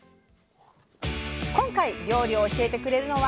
今回料理を教えてくれるのは？